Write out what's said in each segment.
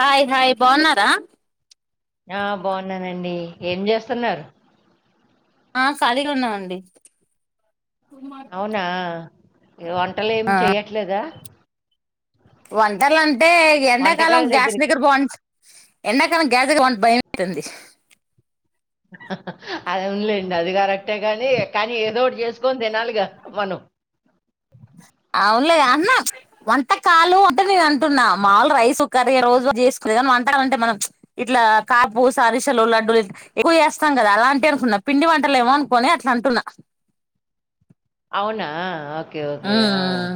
Hi hi బాగున్నారా ఆ బాగున్నానండి. ఏం చేస్తున్నారు. ఆ కాళీగా ఉన్నామండి. అవునా వంటలు ఏమి చెయట్లేదా వంటలు అం అంటే ఎండాకాలం వంటకాల గ్యాస్ దగ్గరికి దగ్గర బావ్ ఎండాకాలం గ్యాస్ కి భయమతుంది. అదిలేం [unintelligible] అంతే గానీ ఏదో ఒకటి చేసుకొని తినాలిగా మనం అవునులే అన్న వంటకాలు అంటే నేను అంటున్నా, మాలు రైస్ కుక్కర్ ఏ రోజు చేసుకునేనీ వంటకాలు అంటే మనం ఇట్లా కాపు సరిసలు, లడ్డూలు ఎక్కువ చేస్తాం. కదా అలాంటివి అనుకున్నా పిండి వంటలు ఏమో అనుకోని అట్లా అంటున్నా అవునా ఓకే ఓకే ఆ ఉమ్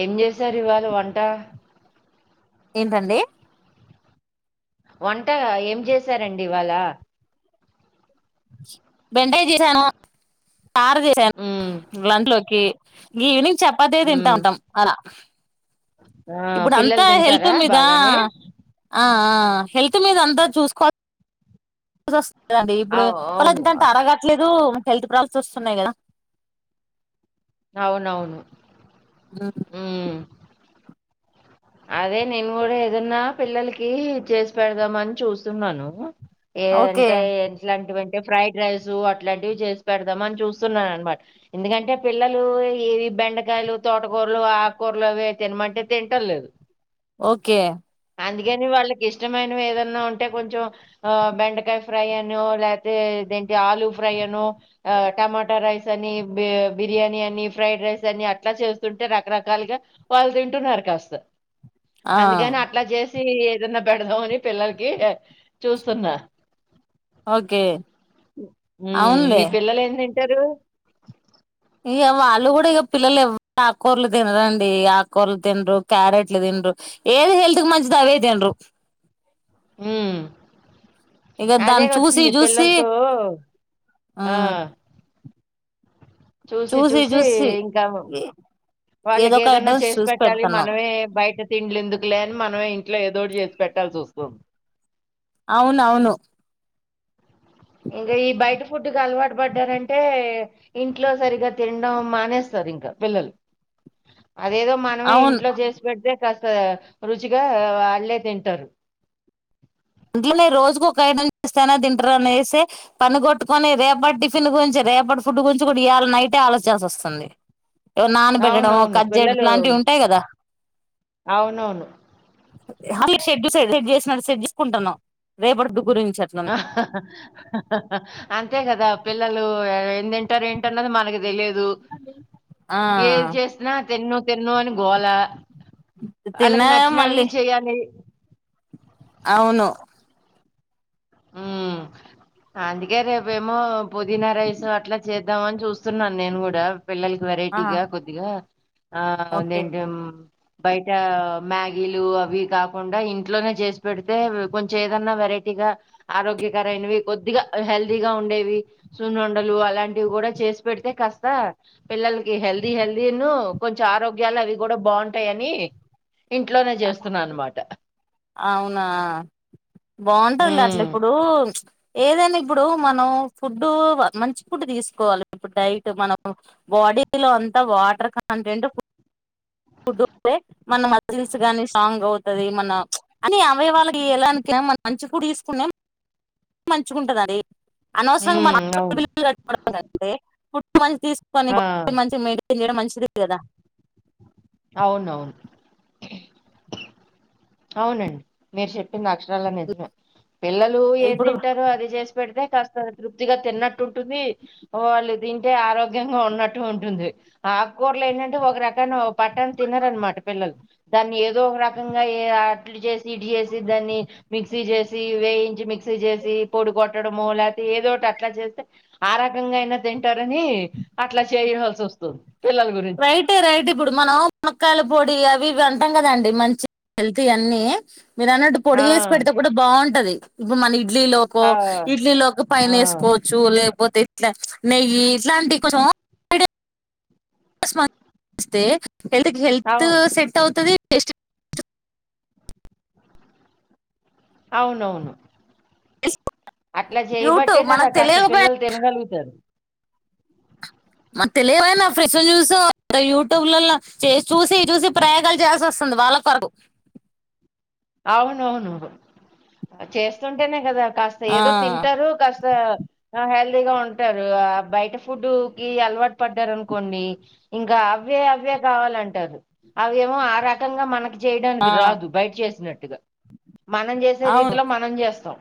ఏం చేసారు. ఇవాళ వంట ఏంటండి. వంట ఏం చేశారండి. ఇవాళ బెండాయ్ చేసాను చారు చేసాను ఉమ్ గంట్లోకి ఈనింగ్ చపాతే తింటా ఉమ్ ఉంటాం. అలా ఆ ఇప్పుడు అంతా పిల్లలు హెల్త్ తింటారా మీద బాగానే ఆ ఆ హెల్త్ మీద అంతా చూసుకోవ [unintelligible] లేదండి ఇప్పుడు అవు వాళ్ళ అవును ఏంటంట అరగట్లేదు [unintelligible] హెల్త్ ప్రాబ్లమ్స్ వస్తున్నాయి కదా అవునవును ఆ ఉమ్ అదే నేను కూడా ఏదన్నా పిల్లలకి చేసి పెడదామ అని చూస్తున్నాను ఏ ఓకే అంటే ఇట్లాంటివ ఫ్రైడ్ రైస్ అలాంటివి చేసి పెడదాం అని చూస్తున్నాను అనమాట, ఎందుకంటే పిల్లలు ఏవి బెండకాయలు తోటకూరలు ఆకుకూరలు అవి తినమంటే తింటంలేదు. ఓకే అందుకని వాళ్ళకి ఇష్టమైనవి ఏదన్నా ఉంటే కొంచెం ఆ బెండకాయ ఫ్రై అనో లేకపోతే, ఇదేంటి ఆలుూ ఫ్రై అనో, ఆ టమాటా రైస్ అని, బిర్యాని అని ఫ్రైడ్ రైస్ అని, అట్లా చేస్తుంటే రకరకాలుగా వాళ్ళు తింటున్నారు కాస్త. ఆ అందుకని అట్లా చేస్ చ్చి ఏదన్నా పెడదామ అని పిల్లలకి చూస్తున్నా ఓకే మ్ మీ అవునులే పిల్లలు ఏంతింటారు ఇక వాళ్ళు కూడా ఇక పిల్లలు ఎవ ఆకుకూరలు తినరుండి, ఆకూరలు తినరు క్యారెట్లు తినరు, ఏది హెల్త్ కి మంచిది అవే తినరు. మ్ ఇక దాన్ని అదేగా చూసి వచ్చింది చూసి పిల్లలతో ఆ చూసి చూసి ఇంకా ఏదో వాళ్ళకి ఒక ఏదన్నా ఐటమ్స్ చేసి చూసి పెట్టాలి, పెడుతున్నాం మనమే బయట తిండ్లు ఎందుకు లే అని మనమే ఇంట్లో ఏదోటి చేసు పెట్టాల్సి వస్తుంది అవునవును ఇంకా ఈ బయట ఫుడ్కి అలవాటు పడ్డారంటే, ఇంట్లో సరిగా తినడం మానేస్తారు ఇంకా పిల్లలు అదేదో మనమే అవును ఇంట్లో చేసి పెడితే కష్ట [unintelligible] రుచిగా వాళ్ళే తింటారు ఇంట్లోనే రోజుకు ఒక ఐటమ్ చేస్తేనే తింటారునేసి, పనిగొట్టుకొని రేపటి టిఫిన్ గురించి, రేపటి ఫుడ్ గురించి కూడా ఇళ నైటే ఆలోచచేయాల్సి వస్తుంది. నానబెట్టడం అవునవును. కజ్జడి పిల్లలు ఇట్లాంటివి ఉంటాయి కదా అవునవును. షెడ్ సెటప్ చేసినారు షెడ్ కుంటున్నాం రేపటి ద గురించి అంతే కదా పిల్లలు ఎ తింటారు ఏంటన్నది మనకి తెలియదు దు ఏది ఆ చేసిన తిను తిన్ను అని గోలా వాళ్ళకి తిన్నా నచ్చినవి మళ్ళీ చెయాలి అవును ఉ అందుకే రేపేమో పుదీనా రైస్ అట్లా చేద్దామని చూస్తున్నాను నేను కూడా పిల్లలకి ఆ వెరైటీగా కొద్దిగా ఆ ఓకే [unintelligible] బయట మ్యాగీలు అవి కాకుండా ఇంట్లోనే చేసి పెడితే కొంచెం ఏదన్నా వెరైటీగా ఆరోగ్యకరమైనవి, కొద్దిగా హెల్దీగా ఉండేవి, సున్నండలు అలాంటివి కూడా చేసి పెడితే కాస్త, పిల్లలకి హెల్దీ హెల్దీను కొంచెం ఆరోగ్యాలు అవి కూడా బాగుంటాయి అని, ఇంట్లోనే చేస్తున్నా అనమాట. అవునా బాగుంటుంది అట్ల ఉమ్ ఫు ఇప్పుడు ఏదైనా ఇప్పుడు మనం ఫుడ్ మంచి ఫుడ్ తీసుకోవాలి ఇప్పుడు డైట్ మనం బాడీలో అంతా వాటర్ కాంటెంట్ గు వే మన మజిల్స్ గాని స్ట్రాంగ్ అవుతది మన అన్ని అవయవాల కి యలడానికి మన మంచుకు కూడా తీసుకునే మంచుకుంటది అది అనవసరంగా మన ఉమ్ హస్పిటల్ అవును బిల్లు కట్టుకోడం కంటే టూ వన్ తీసుకొని ఆ బాడిని మంచిగా మెయింటైన్ చేయడం మంచి ఫ్రీ కదా అవునవును అవునండి మీరు చెప్పింది అక్ష నిజమే పిల్లలు ఏం ఇప్పుడు తింటారో అది చేసి పెడితే కాస్త తృప్తిగా తిన్నట్టు ఉంటుంది వాళ్ళు తింటే ఆరోగ్యంగా ఉన్నట్టు ఉంటుంది ఆకుకూరలు ఏంటంటే ఒక రకన ఒక పట్టాన్న తినరునమాట పిల్లలు దాన్ని ఏదో ఒక రకంగా అట్లు చేసి ఇటు చేసి దాన్ని మిక్సీ చేసి వేయించి మిక్సీ చేసి పొడి కొట్టడంమో లేతే ఏదోటి అట్లా చేస్తే ఆ రకంగా అయిన తి అంటారని అట్లా చేయ వస్తుంది పిల్లల గురించి రైట్ రైట్ ఇప్పుడు మనం మునక్కాయల పొడి అవి ఇవి అంటాం కదాండి మంచి హెల్త్ అన్నీ మీరు అన్నట్టు పొడి ఆ చేసి పెడితే కూడా బాగుంటది. ఇప్పుడు మళ్ళీ ఇడ్లీ లోకో ఆ ఇడ్లీ లోకి పైన ఆ వేసుకోవచ్చు లే పోతే ఇట్లా నెయ్యి ఇట్లాంటి కొంచెం. ఇస్తే హెల్త్ హెల్త్ అవును సెట్ అవుతది. టెస్ట్ అవునవును. అట్లా చేయబట్టే యూట్యూబ్ కదా. మనకు కాస్త తెలియకపోయినా పిల్లలు తినగలుగుతారు. మనకు తెలియకపోయినా ఫ్రెష్ చూసో యూట్యూబ్లలలో చేసి చూసి ప్రయోగాలు చేయాల్సి వస్తుంది. వాళ్ళ కొరకు. అవునవును చేస్తుంటేనే కదా. కాస్త ఆ ఏదో తింటారు. కాస్త హెల్త్ ఫ్రీగా ఉంటారు. ఆ బయట ఫుడ్ కి అలవాటు పడ్డారు అనుకోండి. ఇంకా అవే అవే కావాలంటారు. అవేమో ఆ రకంగా మనకి ఆ చేయడానికి రాదు. బయట చేసి తిన్నట్టుగా. మనం చేసే రీతిలో మనం చేస్తాం.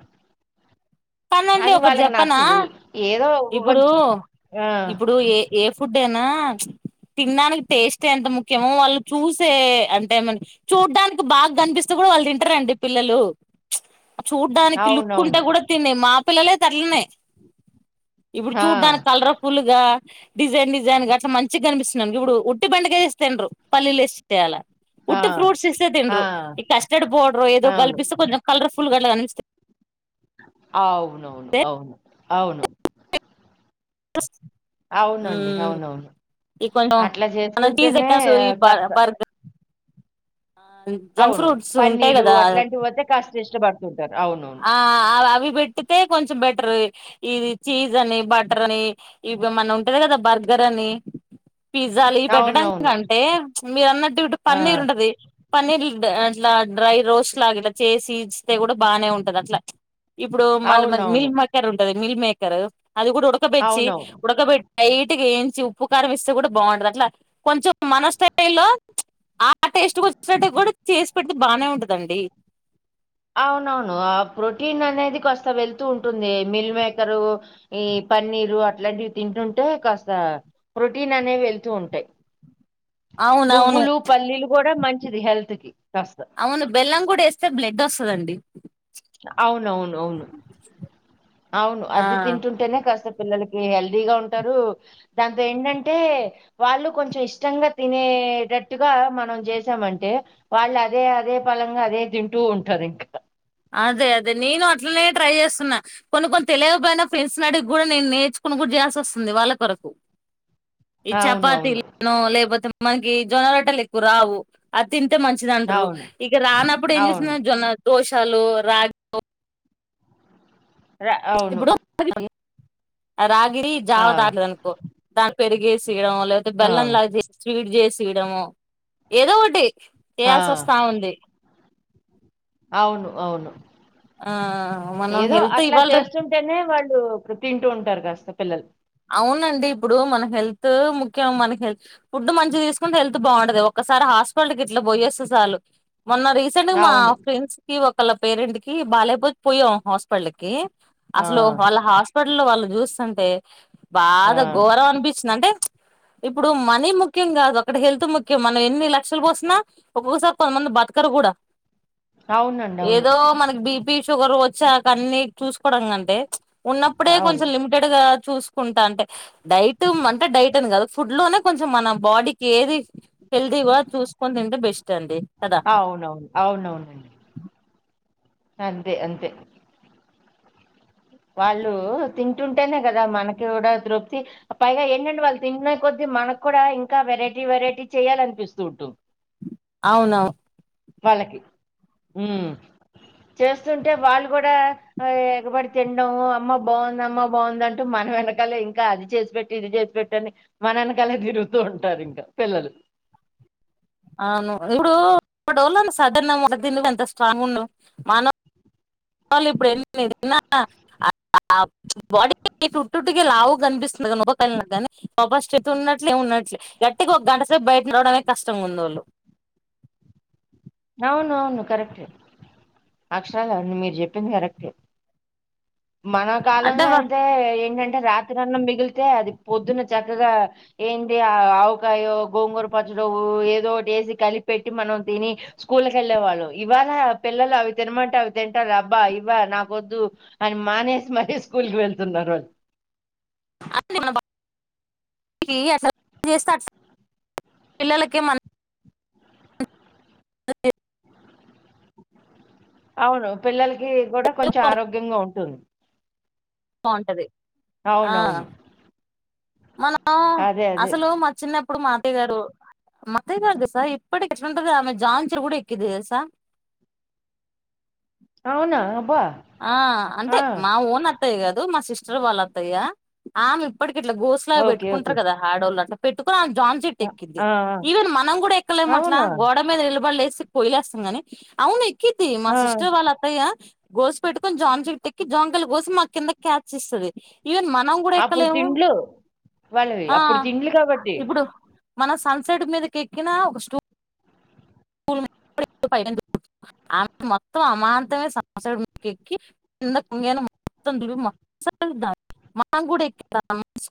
పన్నండి అది ఒకటి వాళ్ళకి చెప్పనా నచ్చదు ఏదో ఇప్పుడు కొంచెం ఆ ఇప్పుడు ఏ ఏ ఫుడ్ అయినా తినడానికి టేస్ట్ ఎంత ముఖ్యమో వాళ్ళు చూసే అంటే ఏమ చూడ్డానికి బాగా కనిపిస్తే కూడా వాళ్ళు తింటారండి పిల్లలు చూడ్డానికి లుక్ ఉంటే అవునవును కూడా తినే మా పిల్లలే [inaudible] ఇప్పుడు ఆ చూడ్డానిక్ కలర్ ఫుల్గా డిజైన్ డిజైన్గా అట్ల మంచిక్కనిపిస్తుందనుకో ఇప్పుడు ఉట్టి బెండకాయ చేస్తే తినరు. పల్లీలు ఏసి చేయాల. ఆ ఉట్టి ఫ్రూట్స్ ఇస్తే ఆ తినరు. ఈ కస్టర్డ్ పౌడర్ ఏదో అవును కల్పిస్తే కొంచం కలర్ ఫుల్ గడ్ల కనిపిస్తయి. అవునవును అవును అవును. [inaudible] స్ అవునండి అవునవును ఈ కొంచెం అట్ల మన చీజ్ చేసుకుంటేనే ఐటమ్స్ ఈ కాస్త బర్గర్ జంక్ అవును ఫ్రూట్స్ ఉంటాయి పన్నీరు కదా అట్లాంటివి అయితే కాస్త ఇష్టపడ్ ఆ అవి పెట్టితే కొంచం బెటర్ ఇది చీజ్ అని బటర్ అని ఇవేమన్న ఉంటది కదా బర్గర్ అనీ పిజ్జాలు ఈ పెట్టడం అవునవును. కంటే మీర్ అన్నట్ టు ఆ! పన్నీరుంటది. పన్నీర్ అట్లా డ్రై రోస్ట్ లాగా ఇట్ల చేసి ఇస్తే గూడ బానే ఉం దట్ల ఇప్పుడు మళ్ళ అవునవును. మిల్ మీకర్ ఉంటది మిల్ మే [unintelligible] అది గుడా ఉడకబెచ్చి అవునవును. ఉడకబెట్ లైట్గా యేయించి ఉప్పు కారం ఇస్తే గుడా బాగుంటది అట్ల కొంచం మన స్టైల్లో ఆ టేస్ట్ వచ్చినట్టు గుడా చేసి పెట్తే బానే ఉంటదండి. అవునవును ఆ ప్రోటీన్ అనేది కాస్త వెళ్తూ ఉంటుంది. మిల్ మేకరు ఈ పన్నీరు అట్లాంటివి తింటుంటే కాస్త ప్రోటీన్ అనేవి వెళ్తూ ఉంటాయి. అవునవును. నువ్వులు, పల్లీలు గూడా మంచిది హెల్త్‌కి కాస్త. అవును బెల్లం గుడా ఏస్తే బ్లడ్ వస్తదండి. అవునవున్ అవును ఆ అది తింటుంటెనే కాస్త పిల్లలకి హెల్దీగా ఉంటారు. దాంతో ఏంటంటే వాళ్ళు కొంచం ఇష్టంగా తినేటట్టుగా మనం చేసామంటే వాళ్ళు అదే అదే ఫలంగా అదే తింటూ ఉంటారు ఇంకా అదే అదే నేను అట్లనే ట్రై చేస్తున్నా కొన్ని కొన్ని తెలియకపోయిన ఫ్రెండ్స్ని అడిగి గుడా నేను నేర్చుకుని గుడా చేయాసోస్తుంది వాళ్ళ కొరకు ఈ అవునవును. చపాతిలనో లేకపోతే మనకి జొన్న రొట్టెలు ఎక్కువ రావు అతిన్ తే మంచిదంట్రు అవును. ఇగ రానప్పుడు ఏం అవును. చేస్తు జోన్న దో లు, రాగులు ర అవును. రాక్ రి జావ ఆ! తాగట్లే అనుకో పెరిగేస్ గడం లేకపోతే ఆ! బెల్లం [inaudible] హీట్ చేసియడమో ఏదో ఒకటి ఆ! చేయాల్సి వస్తా ఉంది అవును అవును ఆ మనం ఏదో హెల్త్ అట్లా ఇవ్వాల్ రే చేస్తుంటేనే వాళ్ళు తింటూ ఉంటారు కాస్త పిల్లలు అవునండి ఇప్పుడు మన హెల్త్ ముఖ్యం మనకి హెల్త్ ఫుడ్ మంచి తీసుకుంటే హెల్త్ బాగుంటది ఒక్కసారి హాస్పిటల్ గిట్ల పోయేస్తే సాలు మొన్న రీసెంట్ గా మా అవును. ఫ్రెండ్స్కి ఒక వాళ్ళ పేరెంట్ కి బాలేకపోతే పోయాం హాస్పిటల్ కి ఆ! అసలు వాళ్ళ హాస్పిటలో వాళ్ళు జూస్తాంటే ఆ! బాధ ఘోరం అనిపించింది అంటే ఇప్పుడు మనీ ముఖ్యం కాదు అక్కడ హెల్త్ ముఖ్యం మనం ఎన్ని లక్షలు పోసిన ఒక్కొక్కసారి కొంతమంది బతకరు కూడా అవునండి. అవును. ఏదో మనకి బి పి షుగర్ వచ్చాక అన్నీ చూసుకోవడం కంటే ఉన్నప్పుడే అవును. కొంచెం లిమిటెడ్ గా చూసుకుంటాంటే డైట్ అంటే డైట్ అని కాదు ఫుడ్ లోనే కొంచెం మన బాడీకి ఏది హెల్దీవో అది చూసుకొని తింటే బెస్ట్ అండి కదా అవునవును అవునవునండి అంతే అంతే వాళ్ళు తింటుంటేనే కదా మనకి కూడా తృప్తి పైగా ఏంటంటడి వాళ్ళు తింటనే కొద్ది మనక్కూడా ఇంకా వెరైటీ వెరైటీ చెయాలనిపిస్తుంటూంది అవునవు ఉమ్ చేస్తుంటే వాళ్ళు కూడా ఎగబడి తిండము అమ్మ బాగుంది అమ్మ బాగుందంటూ మన వెనకాలే ఇంకా అది చేసి పెట్టు ఇది చేసి పెట్టు అని మన వెనకాలే తిరుగుతూ ఉంటారు ఇంకా పిల్లలు అవును ఇప్పుడు ఇప్పుడోళ్ళను సడన్ మ ఎంత స్ట్రాంగ్ ఉండవు మన ళ్ళు ఇప్పుడు ఎ [unintelligible] [inaudible] బాడీ ఉట్టుట్టుగే లావుగనిపిస్తుంది [unintelligible] [inaudible] పకలిిన కానీ గప స్టప్ ఉన్నట్లేమి ఉన్నట్లే గట్టికి ఒక గంట సేపు బయట రావడమే కష్టంగా ఉంది వాళ్ళు అవును అవును కరెక్టే అక్షరాల అవును మీరు చెప్పింది కరెక్టే మన అంటే కాలంలో అయితే ఏంటంటే రాత్రి అన్నం మిగిలితే అది పొద్దున్న చక్కగా ఏంటి ఆ ఆవుకాయో గోంగూర పచ్చడు ఏదోటి వేసి కలిపెట్టి మనం తిని స్కూళ్లకి వెళ్ళే వాళ్ళు ఇవాల పిల్లలు అవి తినమంటే అవి తింటారు అబ్బా ఇవ్వ నాకొద్దు అని మానేసి మరి స్కూల్ కి వెళ్తున్నారు అే [unintelligible] మన అసలు చేస్తే అట్ పిల్లలకే మ [unintelligible] [inaudible] [unintelligible] అవును పిల్లల్ కి కూడా కొంచెం ఆరోగ్యంగా ఉంటుంది బాగుంటది అవునవును మన ఆ అదే అదే అసలు మా చిన్న ఇప్పుడు మాట్తారు మాట్తారు కద సా ఇప్పటి ఎక్డంట ఆమె జాచర్ కూడా ఎక్కిది కదసా అవునా అబ్బా ఆ అంటే ఆ మా ఊన్ అత్తయ్య కాదు మా సిస్టర్ వాళ్ళ అత్తయ్య ఆమె ఇప్పకి ఇట్లా గోసులా ఓకే పెట్టుకుంటారు ఓకే కదా హడోళ్ళ అలా జాన్ చెట్టు ఆ ఎక్కింది ఆ, ఆ. ఈవెన్ మనం కూడా ఎక్కలేం అట్లా అవునా గోడ మీద నిలబడిలేసి పోయిలేస్తుంగానే అవును కితే మా ఆ సిస్టర్ వాళ్ళతయ గోసు పెట్టుకొని జాంసకి తెక్కి జాంకలి గోసి మా కింద క్యాచ్ ఇస్తుంది అప్పుడు తిండ్లు వాళ్ళవి అప్పుడు తిండ్లు కాబట్టి మనం సన్సెట్ మీదక ఎక్కిన ఒక స్టూ మొత్తం అమాంతమే ఎక్ కిందంగ మొత్తం దం కూడా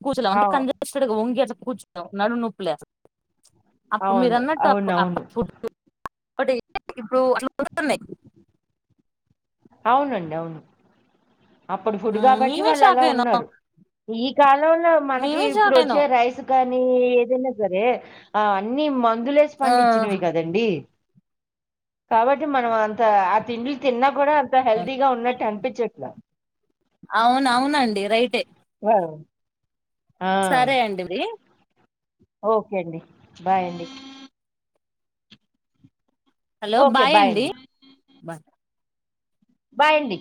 కూచ అంటే అవు కస్ట్ వంగి కూచ నడు ఉప్పులే అప్పుడు మీరు అవును అన్నట్టు అవునవును ఒకటి ఇప్పుడు అన్నాయి అవునండి అవును అప్పుడు ఫుడ్ కాబట్టి మేమే వాళ్ళు షాక్ అలా అయినాం ఉన్నారు ఈ కాలంలో మనకి మేమే ఇప్పుడు షాక్ వచ్చే అయినాం రైస్ కానీ ఏదైనా సరే అన్ని మ అందులేసి ఆ పండించినవి కదండీ కాబట్టి మనం అంత ఆ తింలు తిన్నా కూడా అంత హెల్తీగా ఉన్నట్టు అనిపించట్లా అవున అవునండి రైటే అ సరే అండి వి ఓకే అండి బాయ్ అండి హలో బాయ్ అండి బాయ్ బాయండి